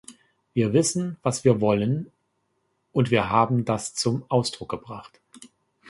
Wir wissen, was wir wollen, und wir haben das zum Ausdruck gebracht.